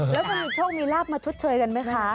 แล้วจะมีโชคมีลาบมาชดเชยกันไหมคะ